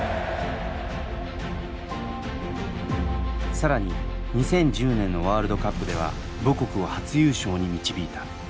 更に２０１０年のワールドカップでは母国を初優勝に導いた。